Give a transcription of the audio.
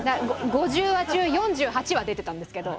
５０話中４８話出てたんですけど。